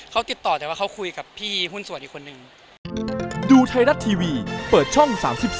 เขาติดต่อแต่ว่าเขาคุยกับพี่หุ้นสวรรค์อีกคนนึง